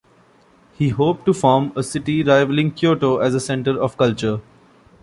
He hoped to "form a city rivaling Kyoto as a centre of culture".